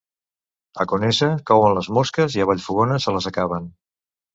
A Conesa couen les mosques i a Vallfogona se les acaben.